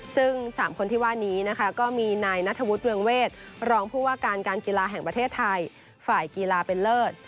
ซึ่ง๓คนที่ว่านี้นะคะก็มีนายนัทวุฒิเรืองเวทรองผู้ว่าการการกีฬาแห่งประเทศไทยฝ่ายกีฬาเป็นเลิศ